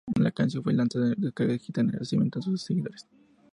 La canción fue lanzada en descarga digital en agradecimiento a sus seguidores.